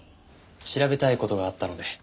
調べたい事があったので。